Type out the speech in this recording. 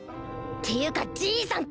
っていうか爺さん